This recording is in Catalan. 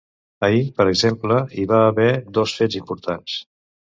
Ahir, per exemple, hi va a ver dos fets importants.